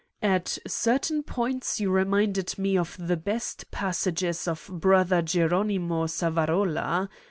at certain points you reminded me of the best passages of Brother Geronimo Savan arola.